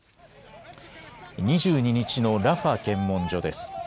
２２日のラファ検問所です。